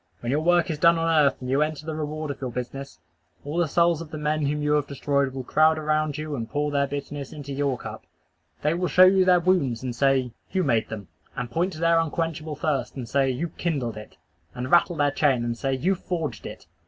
When your work is done on earth, and you enter the reward of your business, all the souls of the men whom you have destroyed will crowd around you and pour their bitterness into your cup. They will show you their wounds and say, "You made them;" and point to their unquenchable thirst, and say, "You kindled it;" and rattle their chain and say, "You forged it."